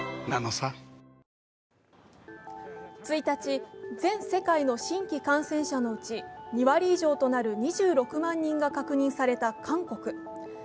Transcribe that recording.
１日、全世界の新規感染者のうち２割以上となる２６万人が確認された韓国。